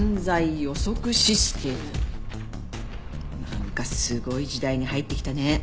なんかすごい時代に入ってきたね。